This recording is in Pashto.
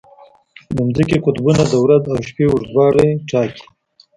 د ځمکې قطبونه د ورځ او شپه اوږدوالی ټاکي.